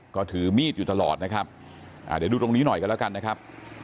ก็ถือมีดอยู่ตลอดนะครับเดี๋ยวดูตรงนี้หน่อยกันแล้วกันนะครับ